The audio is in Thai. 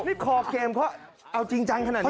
นี่คอเกมเขาเอาจริงจังขนาดนี้